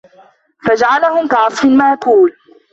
فَجَعَلَهُم كَعَصفٍ مَأكولٍ